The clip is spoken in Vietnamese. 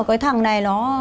cái thằng này nó